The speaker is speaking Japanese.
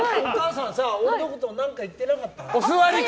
俺のこと何か言ってなかった？